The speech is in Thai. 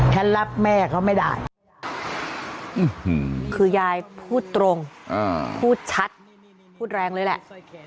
ฉันรับแม่เขาไม่ได้คือยายพูดตรงพูดชัดพูดแรงเลยแหละ